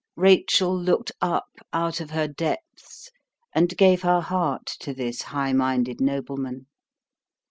Rachel looked up out of her depths and gave her heart to this high minded nobleman.